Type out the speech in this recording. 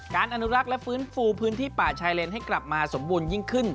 อนุรักษ์และฟื้นฟูพื้นที่ป่าชายเลนให้กลับมาสมบูรณยิ่งขึ้น